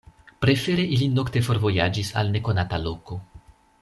Prefere ili nokte forvojaĝis al nekonata loko.